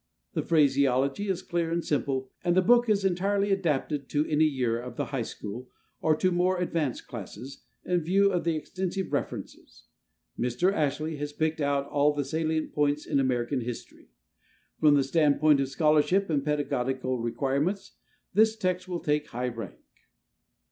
The phraseology is clear and simple, and the book is entirely adapted to any year of the high school, or to more advanced classes, in view of the extensive references. Mr. Ashley has picked out the salient points in American history. From the standpoint of scholarship and pedagogical requirements, this text will take high rank.